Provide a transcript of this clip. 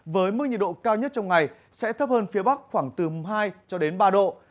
với mức nhiệt độ cao nhất trong ngày sẽ thấp hơn phía bắc khoảng từ hai cho đến ba độ